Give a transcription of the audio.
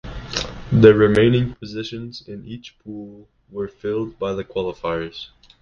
The remaining positions in each pool were filled by the qualifiers.